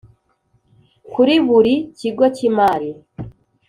kuri buri kigo cy imari